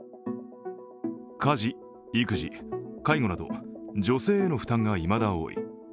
家事、育児、介護など女性への負担がいまだ多い。